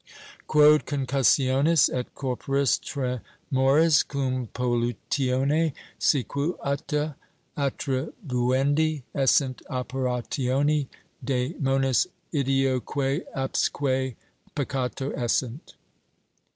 Quod concussiones et corporis tremores cum pollutione sequuta attrib uendi essent operationi Dcemonis ideoque absque peccato essent.